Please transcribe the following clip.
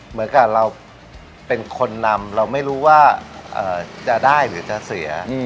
เหมือนกับเราเป็นคนนำเราไม่รู้ว่าจะได้หรือจะเสีย